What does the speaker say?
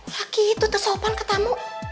lagi itu tersopan ke tamu